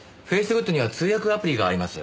グッドには通訳アプリがあります。